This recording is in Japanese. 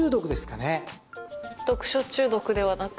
読書中毒ではなく？